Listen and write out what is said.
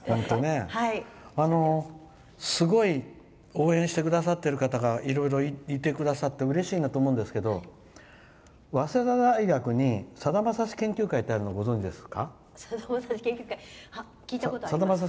すごい応援してくださっている方がいろいろいてくださってうれしいなと思いますけど早稲田大学にさだまさし研究会ってあるの聞いたことあります。